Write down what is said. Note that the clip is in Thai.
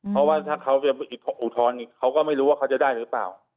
เพราะว่าถ้าเขาจะอุทธรณ์อีกเขาก็ไม่รู้ว่าเขาจะได้หรือเปล่า